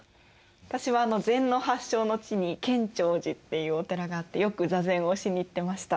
私は禅の発祥の地に建長寺っていうお寺があってよく座禅をしに行ってました。